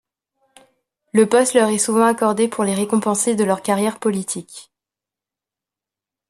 Le poste leur est souvent accordé pour les récompenser de leur carrière politique.